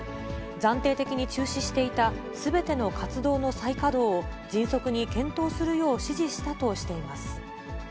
暫定的に中止していたすべての活動の再稼働を迅速に検討するよう指示したとしています。